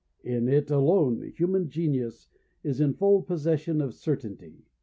In it alone, human genius is in full possession of certainty.